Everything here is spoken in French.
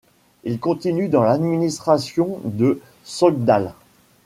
Il continue dans l'administration de Sogndal.